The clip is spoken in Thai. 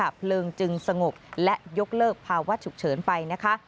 เพลิงจึงสงบและยกเลิกภาวะฉุกเฉินไปนะคะ